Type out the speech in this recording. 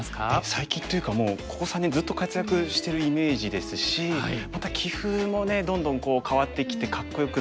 最近というかもうここ３年ずっと活躍してるイメージですしまた棋風もねどんどん変わってきてかっこよくなって。